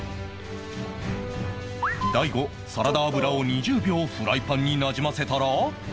大悟サラダ油を２０秒フライパンになじませたら